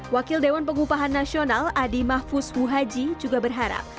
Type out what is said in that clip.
wakil dewan pengupahan nasional adi mahfus huhaji juga berharap